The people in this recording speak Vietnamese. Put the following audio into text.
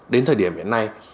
đến thời điểm hiện nay